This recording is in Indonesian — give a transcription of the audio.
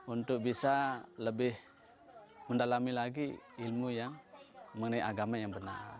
untuk bisa lebih mendalami lagi ilmu yang mengenai agama yang benar